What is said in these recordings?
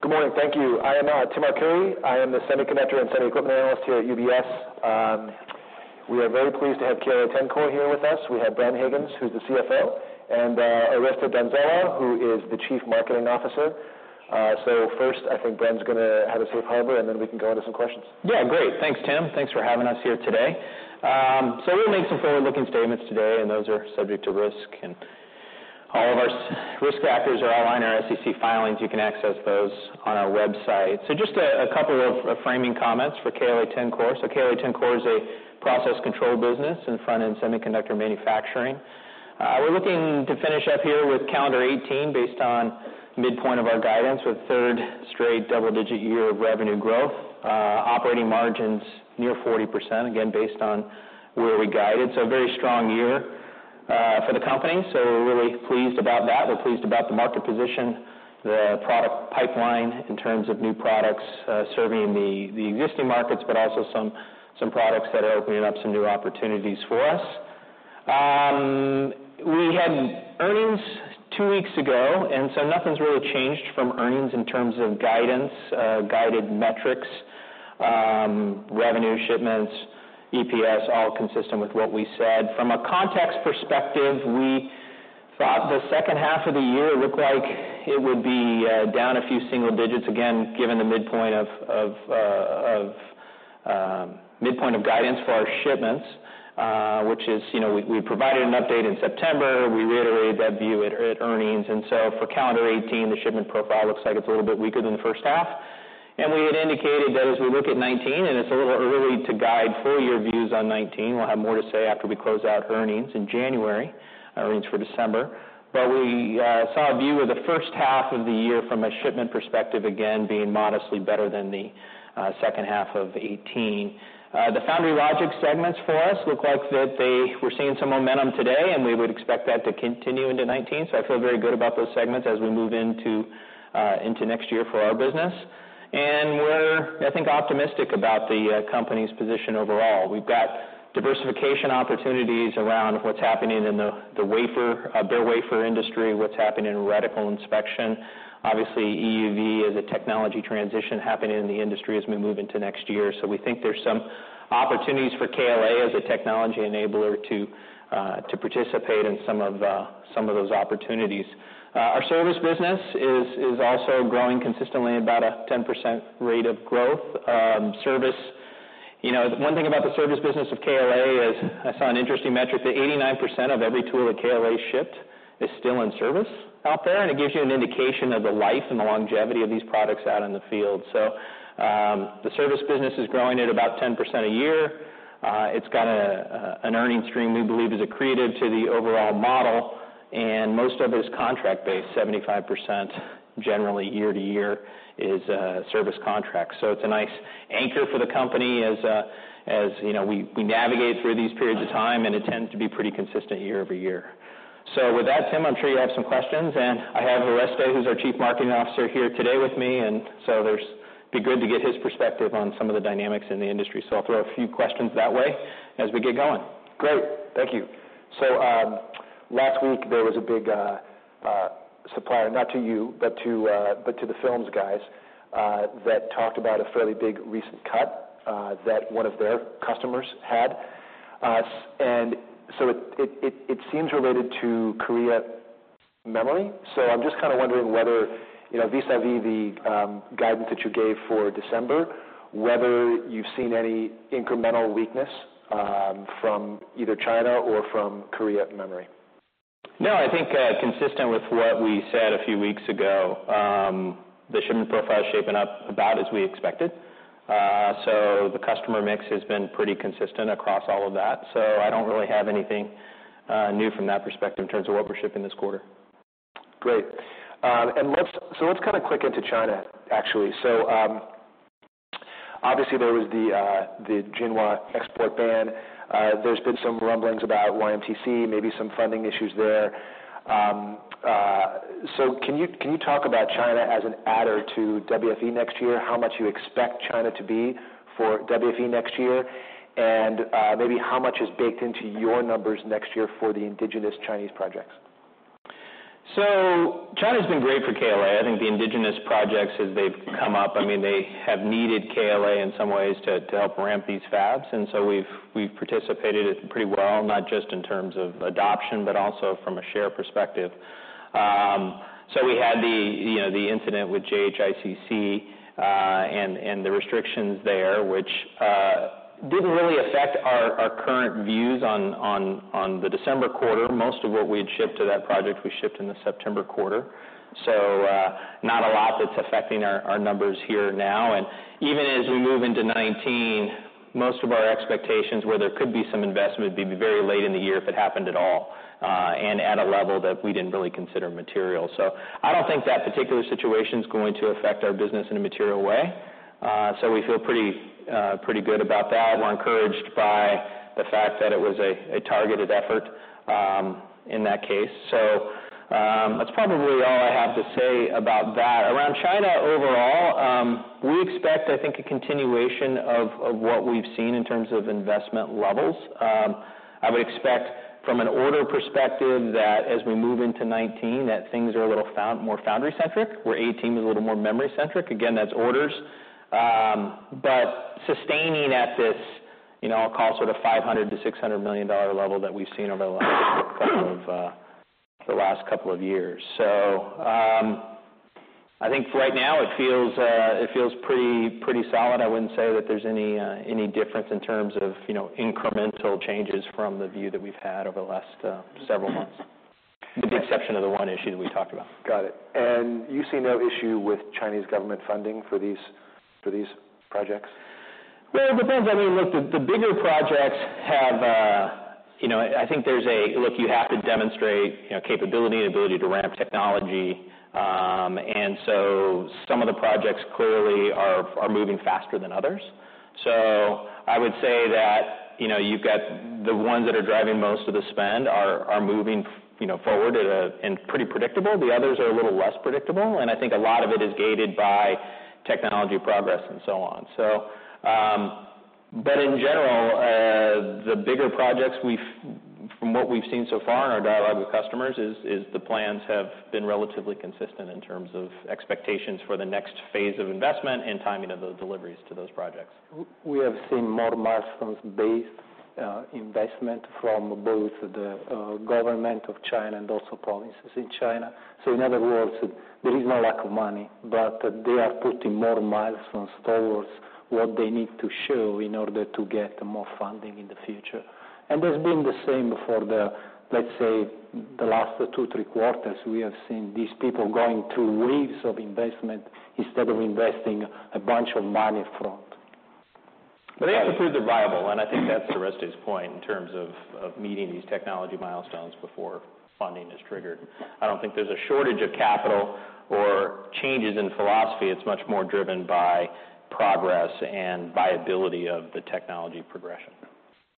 Good morning. Thank you. I am Timothy Arcuri. I am the semiconductor and semi equipment analyst here at UBS. We are very pleased to have KLA-Tencor here with us. We have Bren Higgins, who is the CFO, and Oreste Donzella, who is the Chief Marketing Officer. First, I think Bren's going to have a safe harbor, and then we can go into some questions. Great. Thanks, Tim. Thanks for having us here today. We'll make some forward-looking statements today, and those are subject to risk, and all of our risk factors are all on our SEC filings. You can access those on our website. Just a couple of framing comments for KLA-Tencor. KLA-Tencor is a process control business in front-end semiconductor manufacturing. We're looking to finish up here with calendar 2018 based on midpoint of our guidance, with 3rd straight double-digit year of revenue growth. Operating margins near 40%, again, based on where we guided. A very strong year for the company, we're really pleased about that. We're pleased about the market position, the product pipeline in terms of new products serving the existing markets, but also some products that are opening up some new opportunities for us. We had earnings 2 weeks ago, nothing's really changed from earnings in terms of guidance, guided metrics, revenue, shipments, EPS, all consistent with what we said. From a context perspective, we thought the second half of the year looked like it would be down a few single-digits again, given the midpoint of guidance for our shipments, which is we provided an update in September, we reiterated that view at earnings. For calendar 2018, the shipment profile looks like it's a little bit weaker than the first half. We had indicated that as we look at 2019, and it's a little early to guide full year views on 2019, we'll have more to say after we close out earnings in January, earnings for December. We saw a view of the first half of the year from a shipment perspective, again, being modestly better than the second half of 2018. The foundry logic segments for us look like that they're seeing some momentum today, and we would expect that to continue into 2019. I feel very good about those segments as we move into next year for our business. We're, I think, optimistic about the company's position overall. We've got diversification opportunities around what's happening in the bare wafer industry, what's happening in reticle inspection. Obviously, EUV is a technology transition happening in the industry as we move into next year. We think there's some opportunities for KLA as a technology enabler to participate in some of those opportunities. Our service business is also growing consistently about a 10% rate of growth. One thing about the service business of KLA is, I saw an interesting metric, that 89% of every tool that KLA shipped is still in service out there, and it gives you an indication of the life and the longevity of these products out in the field. The service business is growing at about 10% a year. It's got an earnings stream we believe is accretive to the overall model, and most of it is contract-based, 75% generally year to year is service contracts. It's a nice anchor for the company as we navigate through these periods of time, and it tends to be pretty consistent year-over-year. With that, Tim, I'm sure you have some questions, and I have Oreste, who's our Chief Marketing Officer here today with me, and there's be good to get his perspective on some of the dynamics in the industry. I'll throw a few questions that way as we get going. Great. Thank you. Last week, there was a big supplier, not to you, but to the films guys, that talked about a fairly big recent cut that one of their customers had. It seems related to Korea memory. I'm just kind of wondering whether, vis-à-vis the guidance that you gave for December, whether you've seen any incremental weakness from either China or from Korea memory. No, I think, consistent with what we said a few weeks ago, the shipment profile is shaping up about as we expected. The customer mix has been pretty consistent across all of that, so I don't really have anything new from that perspective in terms of what we're shipping this quarter. Let's kind of quick into China, actually. Obviously there was the Jinhua export ban. There's been some rumblings about YMTC, maybe some funding issues there. Can you talk about China as an adder to WFE next year, how much you expect China to be for WFE next year, and maybe how much is baked into your numbers next year for the indigenous Chinese projects? China's been great for KLA. I think the indigenous projects as they've come up, they have needed KLA in some ways to help ramp these fabs. We've participated pretty well, not just in terms of adoption, but also from a share perspective. We had the incident with JHICC, and the restrictions there, which didn't really affect our current views on the December quarter. Most of what we had shipped to that project, we shipped in the September quarter, not a lot that's affecting our numbers here now. Even as we move into 2019, most of our expectations where there could be some investment would be very late in the year if it happened at all, and at a level that we didn't really consider material. I don't think that particular situation's going to affect our business in a material way. We feel pretty good about that. We're encouraged by the fact that it was a targeted effort in that case. That's probably all I have to say about that. Around China overall. We expect, I think, a continuation of what we've seen in terms of investment levels. I would expect from an order perspective that as we move into 2019, that things are a little more foundry-centric, where 2018 was a little more memory-centric. Again, that's orders. Sustaining at this, I'll call sort of $500 million-$600 million level that we've seen over the last couple of years. I think for right now, it feels pretty solid. I wouldn't say that there's any difference in terms of incremental changes from the view that we've had over the last several months, with the exception of the one issue that we talked about. Got it. You see no issue with Chinese government funding for these projects? Well, it depends. Look, you have to demonstrate capability and ability to ramp technology. Some of the projects clearly are moving faster than others. I would say that you've got the ones that are driving most of the spend are moving forward and pretty predictable. The others are a little less predictable, and I think a lot of it is gated by technology progress and so on. In general, the bigger projects, from what we've seen so far in our dialogue with customers, is the plans have been relatively consistent in terms of expectations for the next phase of investment and timing of the deliveries to those projects. We have seen more milestones-based investment from both the government of China and also provinces in China. In other words, there is no lack of money, but they are putting more milestones towards what they need to show in order to get more funding in the future. That's been the same for the, let's say, the last two, three quarters. We have seen these people going through waves of investment instead of investing a bunch of money up front. They have to prove they're viable, and I think that's Oreste's point in terms of meeting these technology milestones before funding is triggered. I don't think there's a shortage of capital or changes in philosophy. It's much more driven by progress and viability of the technology progression.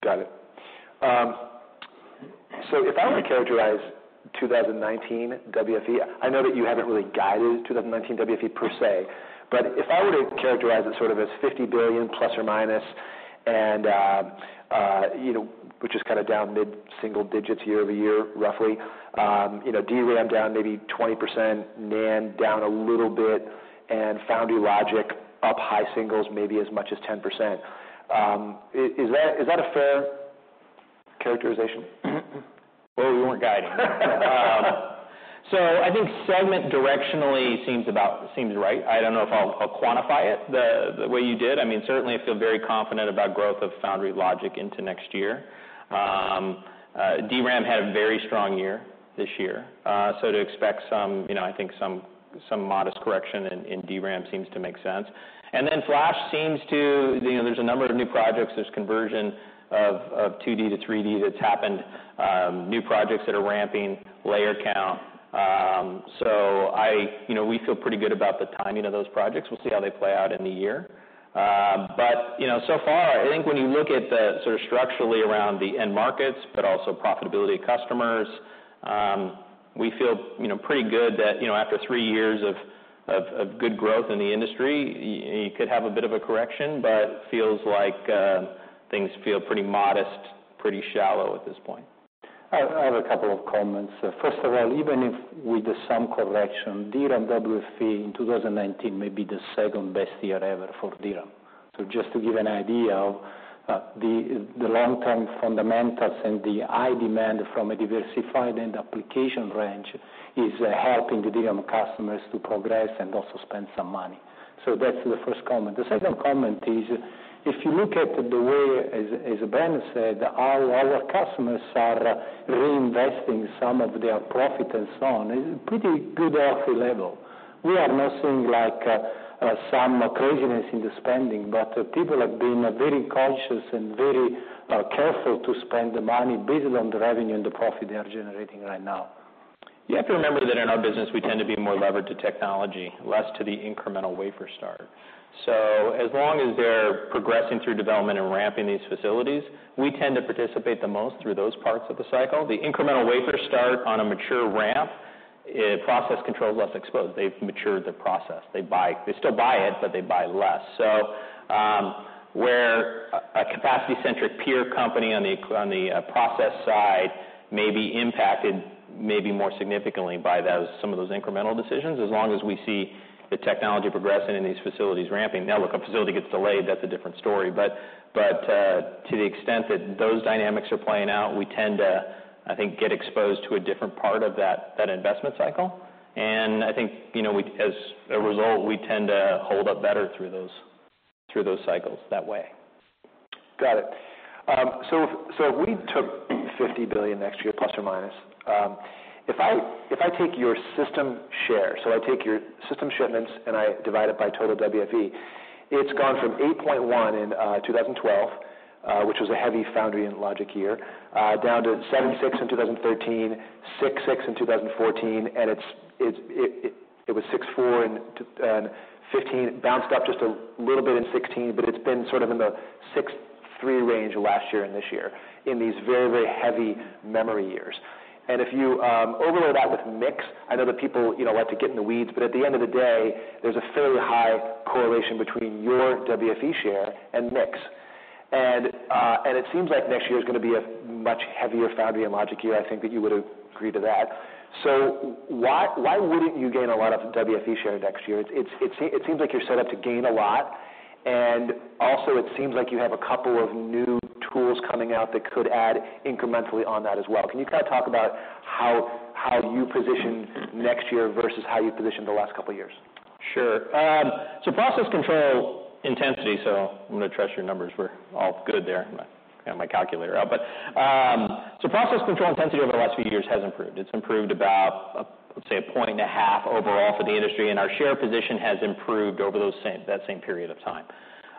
Got it. If I were to characterize 2019 WFE, I know that you haven't really guided 2019 WFE per se, but if I were to characterize it sort of as $50 billion plus or minus, which is kind of down mid-single digits year-over-year, roughly, DRAM down maybe 20%, NAND down a little bit, and foundry logic up high singles, maybe as much as 10%. Is that a fair characterization? Well, we weren't guiding. I think segment directionally seems right. I don't know if I'll quantify it the way you did. Certainly, I feel very confident about growth of foundry logic into next year. DRAM had a very strong year this year, to expect some modest correction in DRAM seems to make sense. Flash seems there's a number of new projects. There's conversion of 2D to 3D that's happened, new projects that are ramping, layer count. We feel pretty good about the timing of those projects. We'll see how they play out in the year. So far, I think when you look at sort of structurally around the end markets, but also profitability of customers, we feel pretty good that after three years of good growth in the industry, you could have a bit of a correction, but feels like things feel pretty modest, pretty shallow at this point. I have a couple of comments. First of all, even if with some correction, DRAM WFE in 2019 may be the second-best year ever for DRAM. Just to give an idea of the long-term fundamentals and the high demand from a diversified end application range is helping the DRAM customers to progress and also spend some money. That's the first comment. The second comment is, if you look at the way, as Bren said, our customers are reinvesting some of their profit and so on in pretty good healthy level. We are not seeing some craziness in the spending, but people have been very conscious and very careful to spend the money based on the revenue and the profit they are generating right now. You have to remember that in our business, we tend to be more levered to technology, less to the incremental wafer start. As long as they're progressing through development and ramping these facilities, we tend to participate the most through those parts of the cycle. The incremental wafer start on a mature ramp, process control is less exposed. They've matured the process. They still buy it, but they buy less. Where a capacity-centric peer company on the process side may be impacted maybe more significantly by some of those incremental decisions, as long as we see the technology progressing and these facilities ramping. Look, a facility gets delayed, that's a different story. To the extent that those dynamics are playing out, we tend to, I think, get exposed to a different part of that investment cycle. I think as a result, we tend to hold up better through those cycles that way. Got it. If we took $50 billion next year, plus or minus, if I take your system share, I take your system shipments and I divide it by total WFE, it's gone from 8.1 in 2012, which was a heavy foundry and logic year, down to 7.6 in 2013, 6.6 in 2014, and it was 6.4 in 2015. It bounced up just a little bit in 2016, but it's been sort of in the 6.3 range last year and this year in these very, very heavy memory years. If you overlay that with mix, I know that people like to get in the weeds, but at the end of the day, there's a fairly high correlation between your WFE share and mix. It seems like next year is going to be a much heavier foundry and logic year. I think that you would agree to that. Why wouldn't you gain a lot of WFE share next year? It seems like you're set up to gain a lot, and also it seems like you have a couple of new tools coming out that could add incrementally on that as well. Can you kind of talk about how you position next year versus how you positioned the last couple of years? Sure. Process control intensity, I'm going to trust your numbers were all good there. Got my calculator out. Process control intensity over the last few years has improved. It's improved about, let's say, a point and a half overall for the industry. Our share position has improved over that same period of time.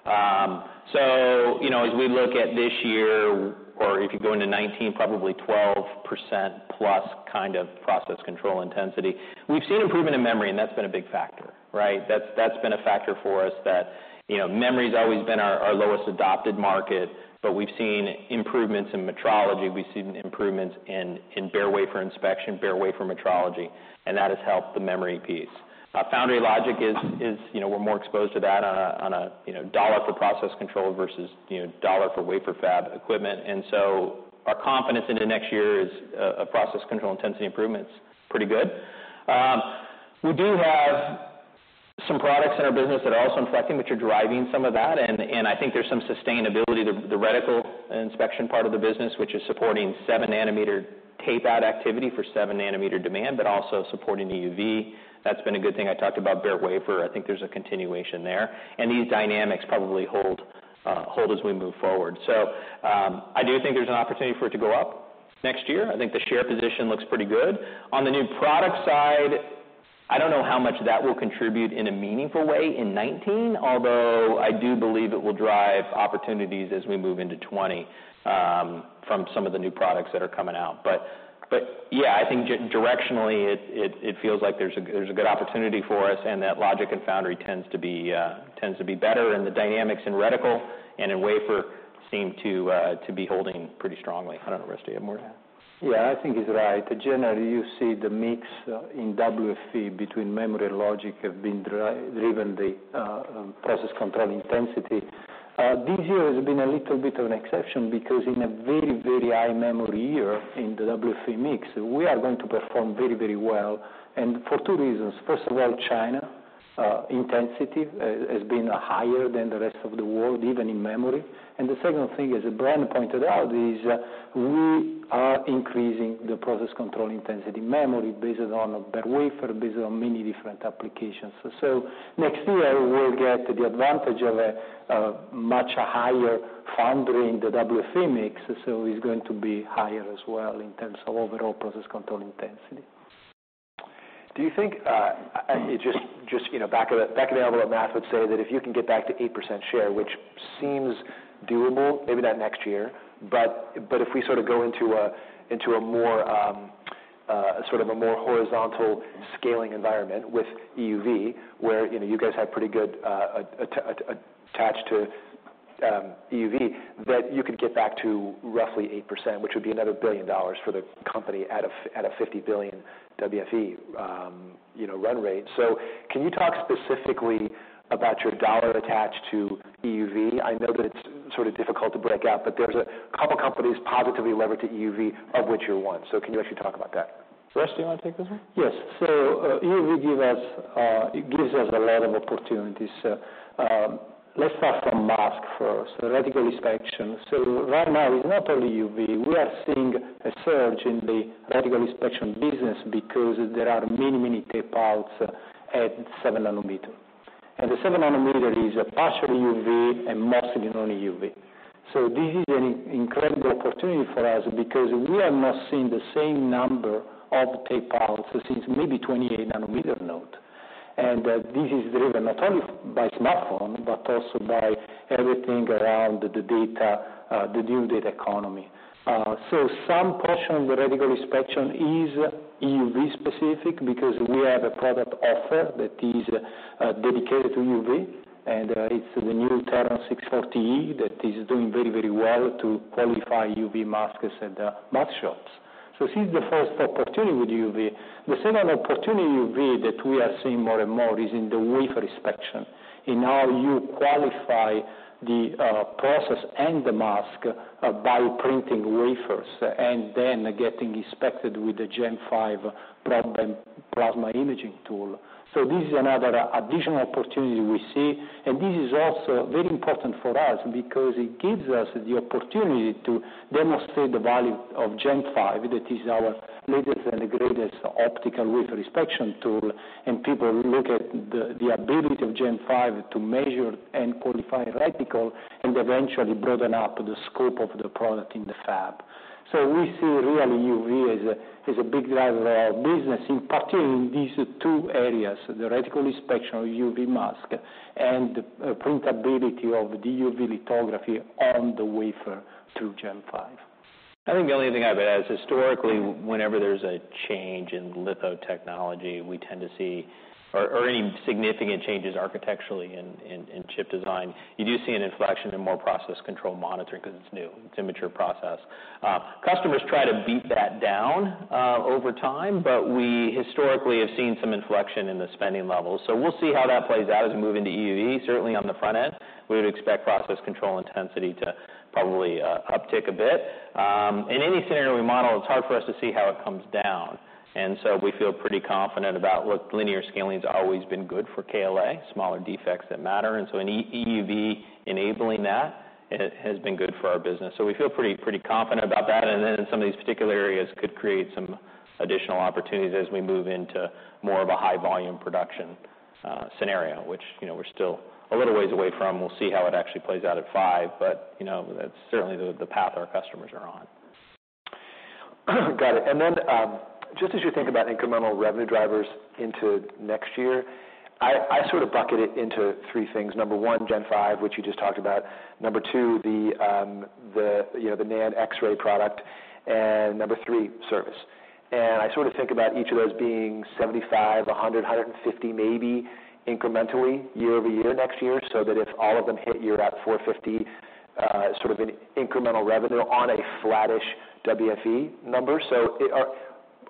As we look at this year, or if you go into 2019, probably 12%+ kind of process control intensity. We've seen improvement in memory, and that's been a big factor, right? That's been a factor for us that memory's always been our lowest adopted market, but we've seen improvements in metrology. We've seen improvements in bare wafer inspection, bare wafer metrology, and that has helped the memory piece. Foundry logic, we're more exposed to that on a $1 for process control versus $1 for wafer fab equipment. Our confidence into next year is a process control intensity improvement's pretty good. We do have some products in our business that are also inflecting, which are driving some of that, and I think there's some sustainability. The reticle inspection part of the business, which is supporting seven nanometer tape-out activity for seven nanometer demand, but also supporting EUV, that's been a good thing. I talked about bare wafer. I think there's a continuation there. These dynamics probably hold as we move forward. I do think there's an opportunity for it to go up next year. I think the share position looks pretty good. On the new product side, I don't know how much that will contribute in a meaningful way in 2019, although I do believe it will drive opportunities as we move into 2020 from some of the new products that are coming out. I think directionally, it feels like there's a good opportunity for us and that logic and foundry tends to be better, and the dynamics in reticle and in wafer seem to be holding pretty strongly. I don't know, Oreste, you have more to add? I think he's right. Generally, you see the mix in WFE between memory and logic has been driving the process control intensity. This year has been a little bit of an exception because in a very, very high memory year in the WFE mix, we are going to perform very, very well and for two reasons. First of all, China intensity has been higher than the rest of the world, even in memory. The second thing, as Bren pointed out, is we are increasing the process control intensity memory based on bare wafer, based on many different applications. Next year, we'll get the advantage of a much higher foundry in the WFE mix. It's going to be higher as well in terms of overall process control intensity. Do you think, just back of the envelope math would say that if you can get back to 8% share, which seems doable, maybe not next year, but if we sort of go into a more horizontal scaling environment with EUV, where you guys have pretty good attached to EUV, that you could get back to roughly 8%, which would be another $1 billion for the company at a $50 billion WFE run rate. Can you talk specifically about your dollar attached to EUV? I know that it's sort of difficult to break out, but there's a couple companies positively levered to EUV, of which you're one. Can you actually talk about that? Rusti, you want to take this one? Yes. EUV gives us a lot of opportunities. Let's start from mask first, reticle inspection. Right now, it's not only EUV. We are seeing a surge in the reticle inspection business because there are many, many tape-outs at 7 nanometer. The 7 nanometer is partially EUV and mostly non-EUV. This is an incredible opportunity for us because we are not seeing the same number of tape-outs since maybe 28 nanometer node. This is driven not only by smartphone, but also by everything around the new data economy. Some portion of the reticle inspection is EUV specific because we have a product offer that is dedicated to EUV, and it's the new Teron 640e that is doing very, very well to qualify EUV masks at the mask shops. This is the first opportunity with EUV. The second opportunity EUV that we are seeing more and more is in the wafer inspection, in how you qualify the process and the mask by printing wafers and then getting inspected with the Gen 5 plasma imaging tool. This is another additional opportunity we see, and this is also very important for us because it gives us the opportunity to demonstrate the value of Gen 5, that is our latest and greatest optical wafer inspection tool. People look at the ability of Gen 5 to measure and qualify reticle and eventually broaden up the scope of the product in the fab. We see really EUV as a big driver of business, in particular in these two areas, the reticle inspection of EUV mask and printability of the EUV lithography on the wafer through Gen 5. I think the only thing I would add is historically, whenever there's a change in litho technology, or any significant changes architecturally in chip design, you do see an inflection in more process control monitoring because it's new, it's a mature process. Customers try to beat that down over time, but we historically have seen some inflection in the spending levels. We'll see how that plays out as we move into EUV, certainly on the front end. We would expect process control intensity to probably uptick a bit. In any scenario we model, it's hard for us to see how it comes down. We feel pretty confident about, look, linear scaling's always been good for KLA, smaller defects that matter. EUV enabling that has been good for our business. We feel pretty confident about that, and then in some of these particular areas could create some additional opportunities as we move into more of a high-volume production scenario, which we are still a little ways away from. We will see how it actually plays out at 5 nanometer, but that is certainly the path our customers are on. Got it. Just as you think about incremental revenue drivers into next year, I bucket it into 3 things. Number 1, Gen 5, which you just talked about, number 2, the NAND X-ray product, and number 3, service. I think about each of those being $75, $100, $150, maybe incrementally year-over-year next year, so that if all of them hit, you are at $450, sort of an incremental revenue on a flattish WFE number.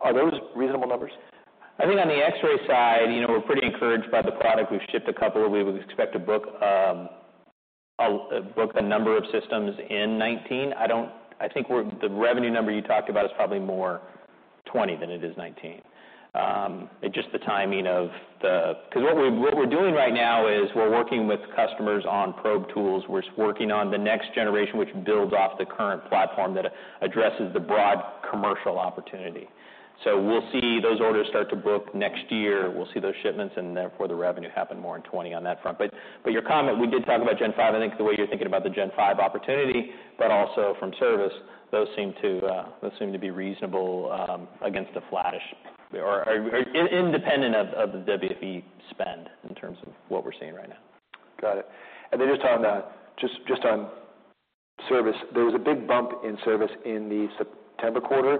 Are those reasonable numbers? I think on the X-ray side, we are pretty encouraged by the product. We have shipped a couple. We would expect to book the number of systems in 2019. I think the revenue number you talked about is probably more 2020 than it is 2019. Because what we are doing right now is we are working with customers on probe tools. We are working on the next generation, which builds off the current platform that addresses the broad commercial opportunity. We will see those orders start to book next year. We will see those shipments and therefore the revenue happen more in 2020 on that front. Your comment, we did talk about Gen 5, I think the way you are thinking about the Gen 5 opportunity, but also from service, those seem to be reasonable against the flattish or independent of the WFE spend in terms of what we are seeing right now. Got it. Just on service, there was a big bump in service in the September quarter,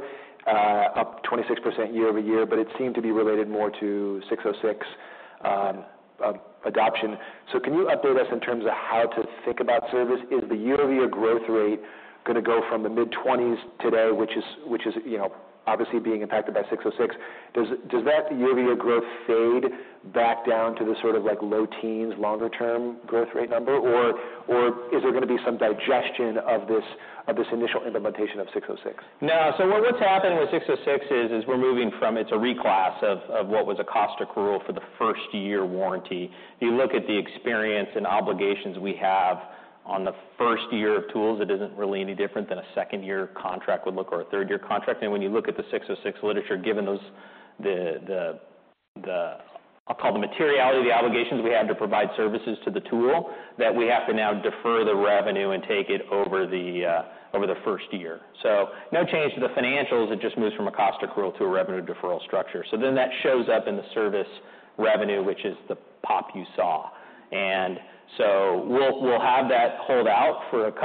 up 26% year-over-year, it seemed to be related more to 606 adoption. Can you update us in terms of how to think about service? Is the year-over-year growth rate going to go from the mid-20s today, which is obviously being impacted by 606, does that year-over-year growth fade back down to the low teens longer-term growth rate number? Is there going to be some digestion of this initial implementation of 606? No. What's happening with 606 is, we're moving from, it's a reclass of what was a cost accrual for the first-year warranty. If you look at the experience and obligations we have on the first year of tools, it isn't really any different than a second-year contract would look, or a third-year contract. When you look at the 606 literature, given those, I'll call the materiality of the obligations we have to provide services to the tool, that we have to now defer the revenue and take it over the first year. No change to the financials, it just moves from a cost accrual to a revenue deferral structure. That shows up in the service revenue, which is the pop you saw. We'll have that hold out at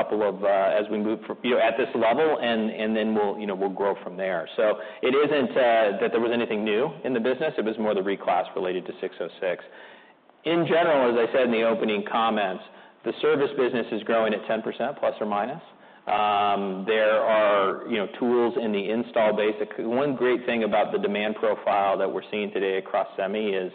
this level and then we'll grow from there. It isn't that there was anything new in the business, it was more the reclass related to 606. In general, as I said in the opening comments, the service business is growing at 10% plus or minus. There are tools in the install base. One great thing about the demand profile that we're seeing today across semi is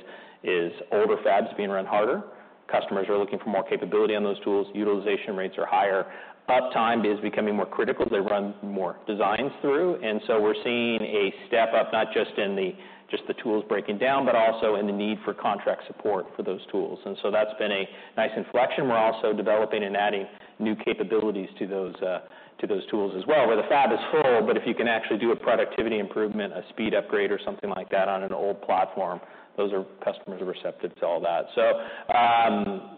older fabs being run harder. Customers are looking for more capability on those tools. Utilization rates are higher. Uptime is becoming more critical as they run more designs through. We're seeing a step up, not just the tools breaking down, but also in the need for contract support for those tools. That's been a nice inflection. We're also developing and adding new capabilities to those tools as well, where the fab is full, but if you can actually do a productivity improvement, a speed upgrade or something like that on an old platform, those customers are receptive to all that.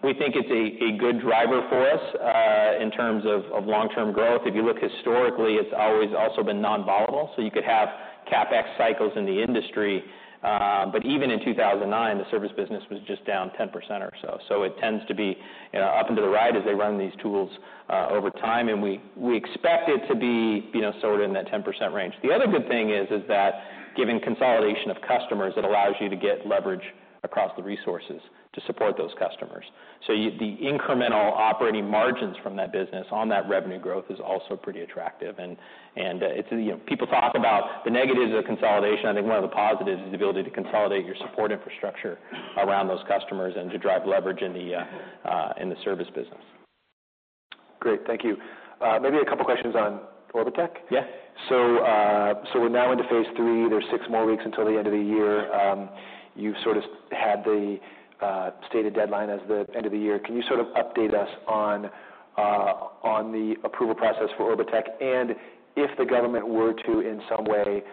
We think it's a good driver for us, in terms of long-term growth. If you look historically, it's always also been non-volatile. You could have CapEx cycles in the industry. But even in 2009, the service business was just down 10% or so. It tends to be up and to the right as they run these tools over time, and we expect it to be sort of in that 10% range. The other good thing is that given consolidation of customers, it allows you to get leverage across the resources to support those customers. The incremental operating margins from that business on that revenue growth is also pretty attractive, and people talk about the negatives of consolidation. I think one of the positives is the ability to consolidate your support infrastructure around those customers and to drive leverage in the service business. Great. Thank you. Maybe a couple questions on Orbotech. Yeah. We're now into phase 3. There's 6 more weeks until the end of the year. You've sort of had the stated deadline as the end of the year. Can you sort of update us on the approval process for Orbotech, and if the government were to, in some way,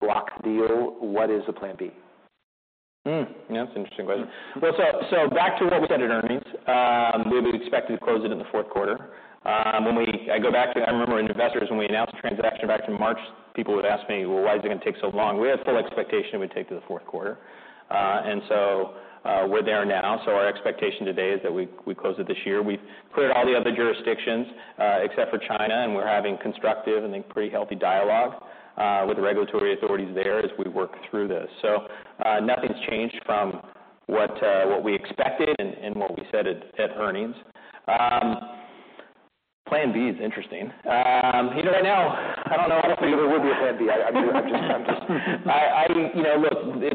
block the deal, what is the plan B? Hmm. Yeah, that's an interesting question. Back to what we said at earnings, we would expect to close it in the fourth quarter. I remember in investors, when we announced the transaction back in March, people would ask me, "Why is it going to take so long?" We had full expectation it would take to the fourth quarter. We're there now, our expectation today is that we close it this year. We've cleared all the other jurisdictions, except for China, and we're having constructive and pretty healthy dialogue with the regulatory authorities there as we work through this. Nothing's changed from what we expected and what we said at earnings. Plan B is interesting. You know, right now, I don't know. I don't think there ever would be a plan B. Look,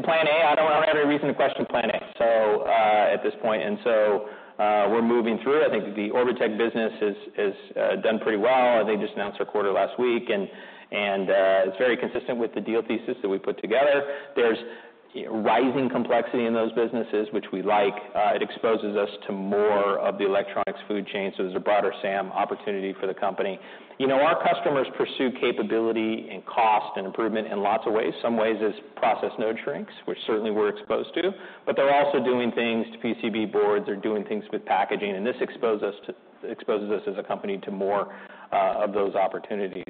I don't have any reason to question plan A at this point. We're moving through it. I think the Orbotech business has done pretty well. They just announced their quarter last week, and it's very consistent with the deal thesis that we put together. There's rising complexity in those businesses, which we like. It exposes us to more of the electronics food chain, so there's a broader SAM opportunity for the company. Our customers pursue capability and cost and improvement in lots of ways. Some ways is process node shrinks, which certainly we're exposed to, but they're also doing things to PCB boards. They're doing things with packaging, and this exposes us as a company to more of those opportunities.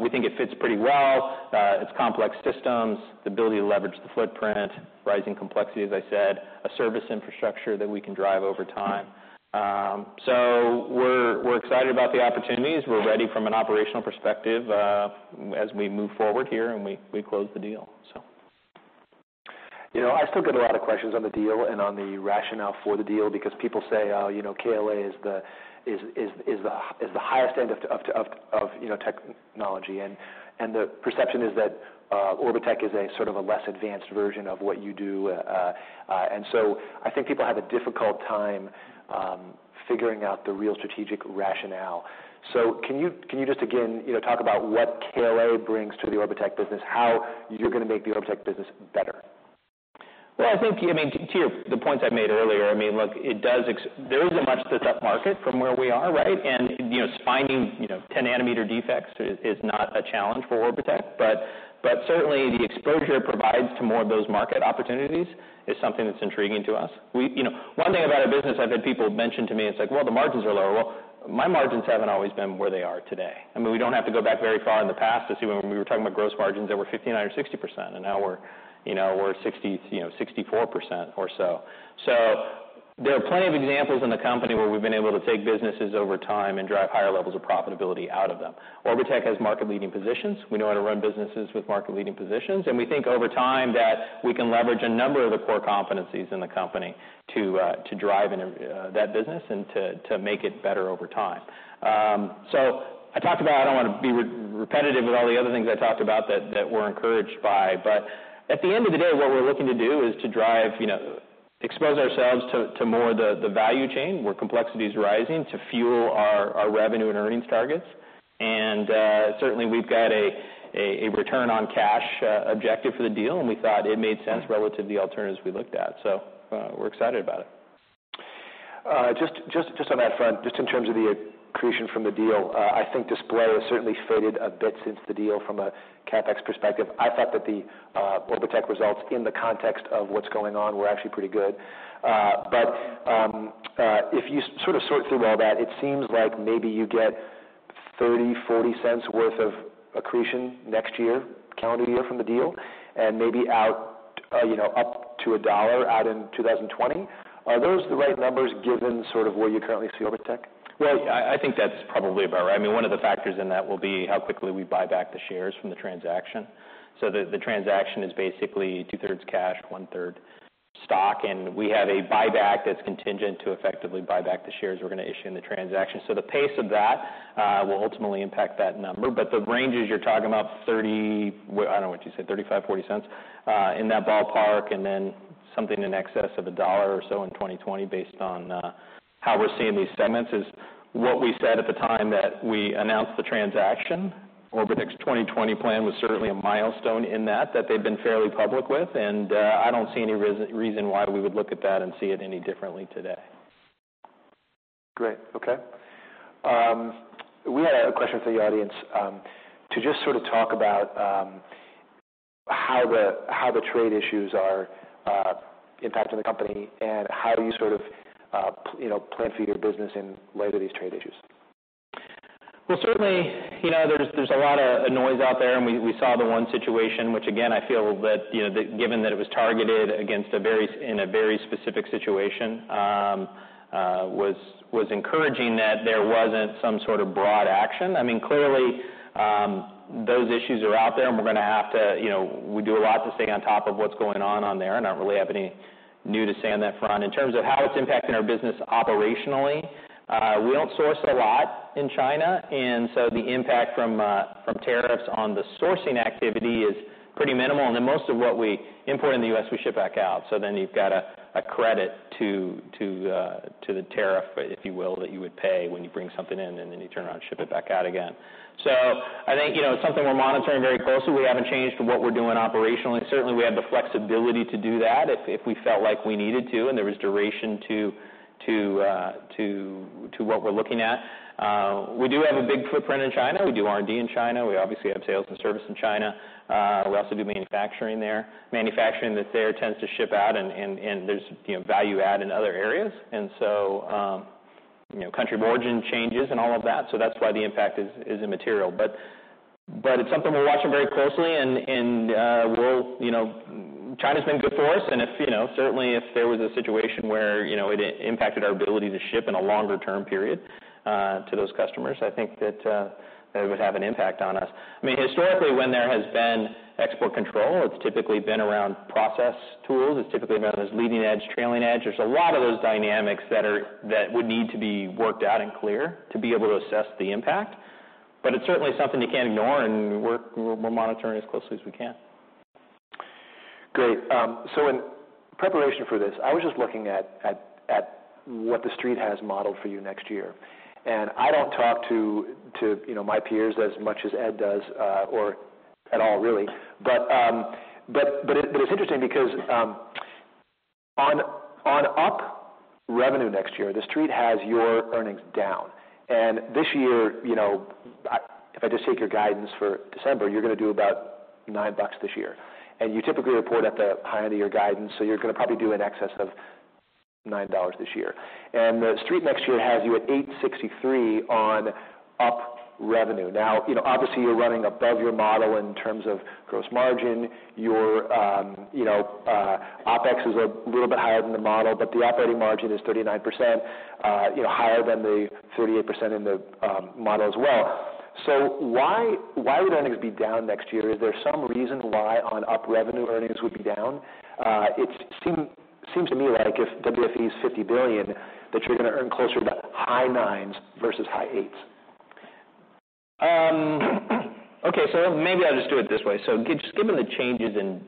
We think it fits pretty well. It's complex systems, the ability to leverage the footprint, rising complexity, as I said, a service infrastructure that we can drive over time. We're excited about the opportunities. We're ready from an operational perspective as we move forward here and we close the deal. I still get a lot of questions on the deal and on the rationale for the deal because people say KLA is the highest end of technology, and the perception is that Orbotech is a sort of a less advanced version of what you do. I think people have a difficult time figuring out the real strategic rationale. Can you just again talk about what KLA brings to the Orbotech business, how you're going to make the Orbotech business better? Well, I think to the points I made earlier, look, there is a much step-up market from where we are, right? Finding 10 nanometer defects is not a challenge for Orbotech. Certainly the exposure it provides to more of those market opportunities is something that's intriguing to us. One thing about our business I've had people mention to me is like, "Well, the margins are lower." Well, my margins haven't always been where they are today. I mean, we don't have to go back very far in the past to see when we were talking about gross margins that were 59% or 60%, and now we're 64% or so. There are plenty of examples in the company where we've been able to take businesses over time and drive higher levels of profitability out of them. Orbotech has market-leading positions. We know how to run businesses with market-leading positions, and we think over time that we can leverage a number of the core competencies in the company to drive that business and to make it better over time. I talked about, I don't want to be repetitive with all the other things I talked about that we're encouraged by, but at the end of the day, what we're looking to do is to expose ourselves to more the value chain, where complexity is rising to fuel our revenue and earnings targets. Certainly we've got a return on cash objective for the deal, and we thought it made sense relative to the alternatives we looked at. We're excited about it. Just on that front, just in terms of the accretion from the deal, I think display has certainly faded a bit since the deal from a CapEx perspective. I thought that the Orbotech results in the context of what's going on were actually pretty good. If you sort of sort through all that, it seems like maybe you get $0.30, $0.40 worth of accretion next year, calendar year from the deal, and maybe up to $1 out in 2020. Are those the right numbers given sort of where you currently see Orbotech? Well, I think that's probably about right. One of the factors in that will be how quickly we buy back the shares from the transaction. The transaction is basically two-thirds cash, one-third stock, and we have a buyback that's contingent to effectively buy back the shares we're going to issue in the transaction. The pace of that will ultimately impact that number. The ranges you're talking about $0.30, I don't know what you said, $0.35, $0.40, in that ballpark, and then something in excess of $1 or so in 2020 based on how we're seeing these segments is what we said at the time that we announced the transaction. Orbotech's 2020 plan was certainly a milestone in that they've been fairly public with, I don't see any reason why we would look at that and see it any differently today. Great. Okay. We had a question from the audience to just sort of talk about how the trade issues are impacting the company and how you sort of plan for your business in light of these trade issues. Certainly, there's a lot of noise out there, we saw the one situation, which again, I feel that given that it was targeted in a very specific situation, was encouraging that there wasn't some sort of broad action. Clearly, those issues are out there, we do a lot to stay on top of what's going on on there. I don't really have any new to say on that front. In terms of how it's impacting our business operationally, we don't source a lot in China, the impact from tariffs on the sourcing activity is pretty minimal. Most of what we import in the U.S., we ship back out. You've got a credit to the tariff, if you will, that you would pay when you bring something in, then you turn around and ship it back out again. I think it's something we're monitoring very closely. We haven't changed what we're doing operationally. Certainly, we have the flexibility to do that if we felt like we needed to, there was duration to what we're looking at. We do have a big footprint in China. We do R&D in China. We obviously have sales and service in China. We also do manufacturing there. Manufacturing that's there tends to ship out, there's value add in other areas, country of origin changes and all of that's why the impact is immaterial. It's something we're watching very closely and China's been good for us. Certainly, if there was a situation where it impacted our ability to ship in a longer-term period to those customers, I think that it would have an impact on us. Historically, when there has been export control, it's typically been around process tools. It's typically been as leading edge, trailing edge. There's a lot of those dynamics that would need to be worked out and clear to be able to assess the impact. It's certainly something you can't ignore, we're monitoring as closely as we can. Great. In preparation for this, I was just looking at what the Street has modeled for you next year. I don't talk to my peers as much as Ed does or at all, really. It's interesting because on up revenue next year, the Street has your earnings down. This year, if I just take your guidance for December, you're going to do about $9 this year. You typically report at the high end of your guidance, so you're going to probably do in excess of $9 this year. The Street next year has you at $8.63 on up revenue. Obviously, you're running above your model in terms of gross margin. Your OpEx is a little bit higher than the model, but the operating margin is 39%, higher than the 38% in the model as well. Why would earnings be down next year? Is there some reason why on up revenue, earnings would be down? It seems to me like if WFE is $50 billion, that you're going to earn closer to the high nines versus high eights. Okay. Maybe I'll just do it this way. Just given the changes in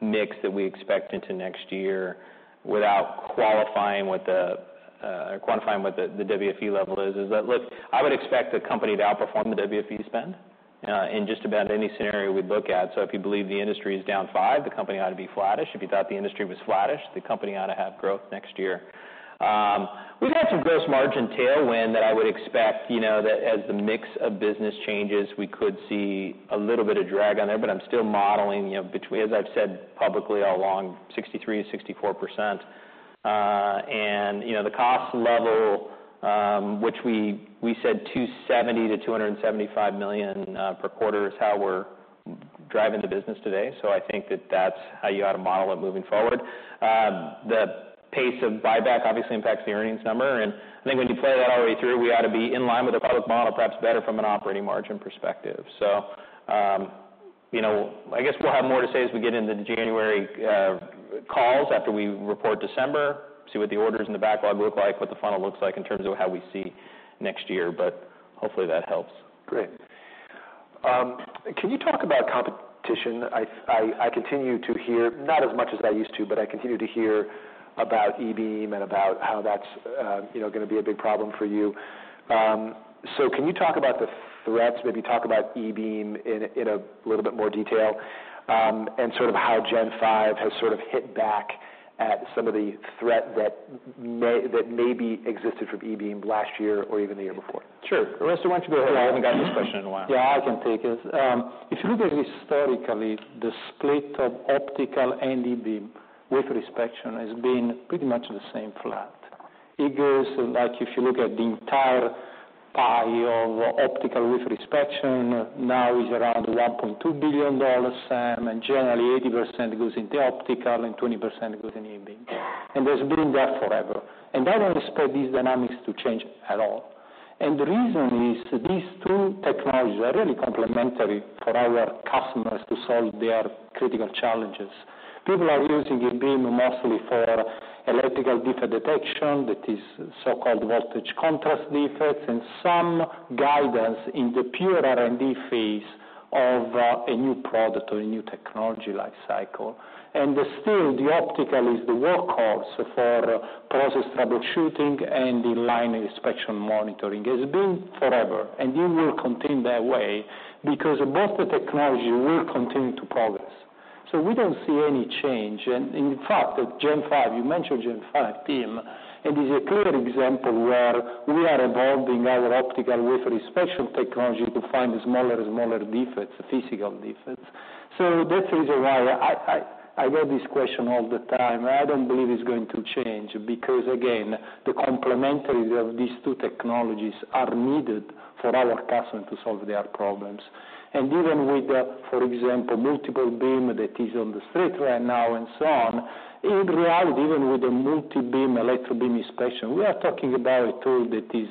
mix that we expect into next year, without quantifying what the WFE level is, look, I would expect the company to outperform the WFE spend in just about any scenario we'd look at. If you believe the industry is down 5%, the company ought to be flattish. If you thought the industry was flattish, the company ought to have growth next year. We've had some gross margin tailwind that I would expect, that as the mix of business changes, we could see a little bit of drag on there, but I'm still modeling between, as I've said publicly all along, 63%-64%. The cost level which we said $270 million-$275 million per quarter is how we're driving the business today. I think that that's how you ought to model it moving forward. The pace of buyback obviously impacts the earnings number, and I think when you play that all the way through, we ought to be in line with the public model, perhaps better from an operating margin perspective. I guess we'll have more to say as we get into the January calls after we report December, see what the orders in the backlog look like, what the funnel looks like in terms of how we see next year. Hopefully that helps. Great. Can you talk about competition? I continue to hear, not as much as I used to, but I continue to hear about E-beam and about how that's going to be a big problem for you. Can you talk about the threats, maybe talk about E-beam in a little bit more detail, and sort of how Gen 5 has sort of hit back at some of the threat that maybe existed from E-beam last year or even the year before? Sure. Oreste, why don't you go ahead? I haven't gotten this question in a while. Yeah, I can take it. If you look at historically, the split of optical and E-beam wafer inspection has been pretty much the same flat. It goes like if you look at the entire pie of optical wafer inspection now is around $1.2 billion, TAM, and generally 80% goes into optical and 20% goes in E-beam. That's been there forever. I don't expect these dynamics to change at all. The reason is these two technologies are really complementary for our customers to solve their critical challenges. People are using E-beam mostly for electrical defect detection, that is so-called voltage contrast defects, and some guidance in the pure R&D phase of a new product or a new technology life cycle. Still, the optical is the workhorse for process troubleshooting and in-line inspection monitoring. It's been forever, and it will continue that way because both the technology will continue to progress. We don't see any change. In fact, Gen 5, you mentioned Gen 5, Tim, and it's a clear example where we are evolving our optical wafer inspection technology to find smaller and smaller defects, physical defects. That's the reason why I get this question all the time. I don't believe it's going to change because, again, the complementary of these two technologies are needed for our customers to solve their problems. Even with, for example, multi-beam that is on the street right now and so on, in reality, even with the multi-beam E-beam inspection, we are talking about a tool that is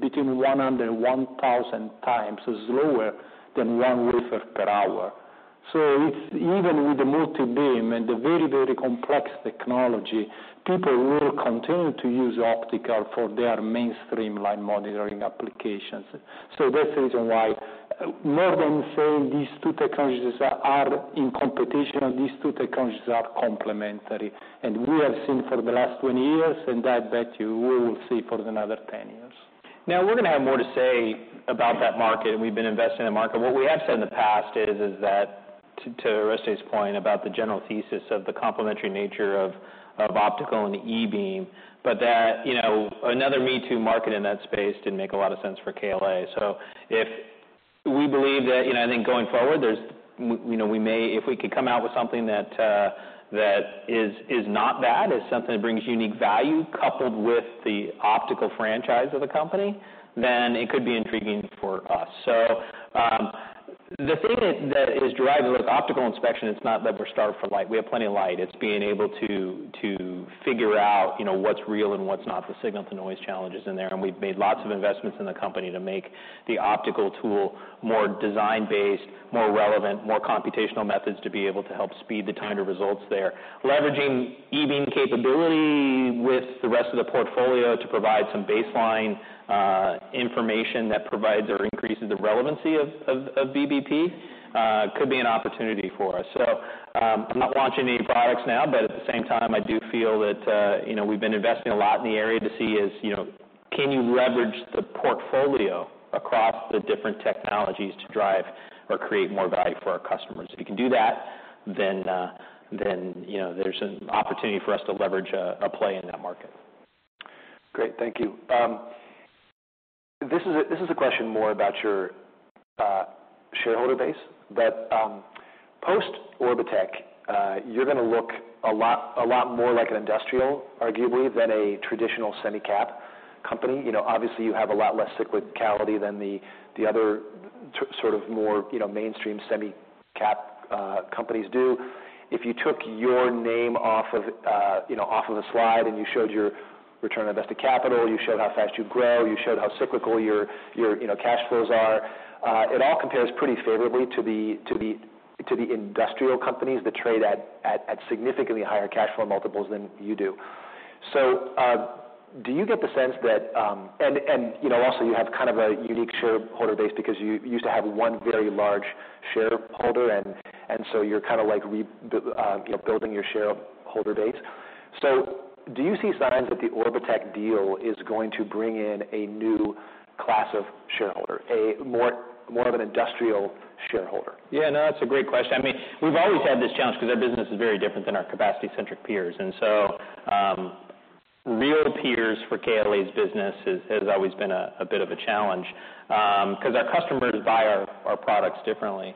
between 100 and 1,000 times slower than one wafer per hour. Even with the multi-beam and the very, very complex technology, people will continue to use optical for their mainstream line monitoring applications. That's the reason why more than saying these two technologies are in competition, these two technologies are complementary, and we have seen for the last 20 years, and I bet you we will see for another 10 years. We're going to have more to say about that market, and we've been investing in the market. What we have said in the past is that to Oreste's point about the general thesis of the complementary nature of optical and the E-beam, but that another me-too market in that space didn't make a lot of sense for KLA. If we believe that, I think going forward, if we could come out with something that is not me-too, is something that brings unique value coupled with the optical franchise of the company, then it could be intriguing for us. The thing that is driving with optical inspection, it's not that we're starved for light. We have plenty of light. It's being able to figure out what's real and what's not, the signal-to-noise challenges in there, and we've made lots of investments in the company to make the optical tool more design-based, more relevant, more computational methods to be able to help speed the time to results there. Leveraging E-beam capability with the rest of the portfolio to provide some baseline information that provides or increases the relevancy of BBP could be an opportunity for us. I'm not launching any products now, but at the same time, I do feel that we've been investing a lot in the area to see is, can you leverage the portfolio across the different technologies to drive or create more value for our customers? If you can do that, then there's an opportunity for us to leverage a play in that market. Great. Thank you. This is a question more about your shareholder base, but post-Orbotech, you're going to look a lot more like an industrial, arguably, than a traditional semi cap company. Obviously, you have a lot less cyclicality than the other sort of more mainstream semi cap companies do. If you took your name off of the slide and you showed your return on invested capital, you showed how fast you grow, you showed how cyclical your cash flows are, it all compares pretty favorably to the industrial companies that trade at significantly higher cash flow multiples than you do. You have kind of a unique shareholder base because you used to have one very large shareholder, and so you're kind of building your shareholder base. Do you see signs that the Orbotech deal is going to bring in a new class of shareholder, a more of an industrial shareholder? Yeah, no, that's a great question. We've always had this challenge because our business is very different than our capacity-centric peers. Real peers for KLA's business has always been a bit of a challenge, because our customers buy our products differently.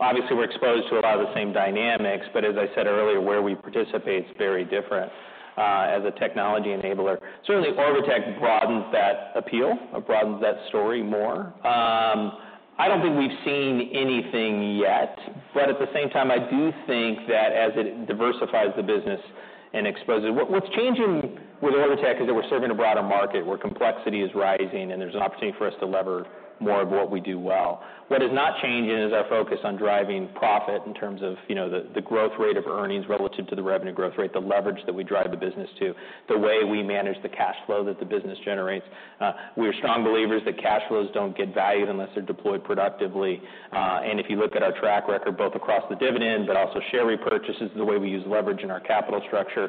Obviously, we're exposed to a lot of the same dynamics, but as I said earlier, where we participate is very different as a technology enabler. Certainly, Orbotech broadens that appeal, broadens that story more. I don't think we've seen anything yet, but at the same time, I do think that as it diversifies the business. What's changing with Orbotech is that we're serving a broader market where complexity is rising, and there's an opportunity for us to lever more of what we do well. What is not changing is our focus on driving profit in terms of the growth rate of earnings relative to the revenue growth rate, the leverage that we drive the business to, the way we manage the cash flow that the business generates. We're strong believers that cash flows don't get valued unless they're deployed productively. If you look at our track record, both across the dividend, but also share repurchases, the way we use leverage in our capital structure,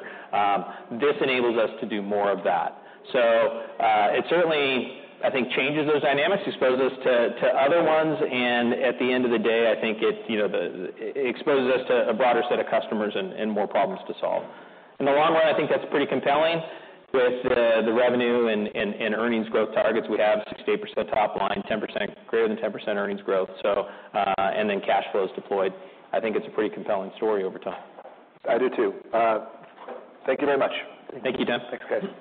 this enables us to do more of that. It certainly, I think, changes those dynamics, exposes to other ones, and at the end of the day, I think it exposes us to a broader set of customers and more problems to solve. In the long run, I think that's pretty compelling with the revenue and earnings growth targets we have, 6%-8% top line, greater than 10% earnings growth. Cash flows deployed. I think it's a pretty compelling story over time. I do too. Thank you very much. Thank you, Tim. Thanks, guys.